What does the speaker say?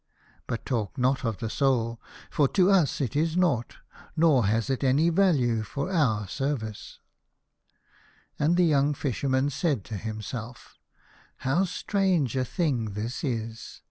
But talk not ot the soul, for to us it is nought, nor has it any value for our service." And the young Fisherman said to himself : 72 The Fisherman and his Soul. " How strange a thing this is